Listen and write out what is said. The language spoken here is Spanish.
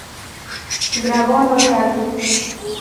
Grabó nueve álbumes.